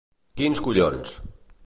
Quins collons!